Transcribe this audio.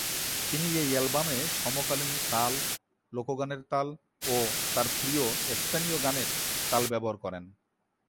তিনি এই অ্যালবামে সমকালীন তাল, লোক গানের তাল ও তার প্রিয় স্পেনীয় গানের তাল ব্যবহার করেন।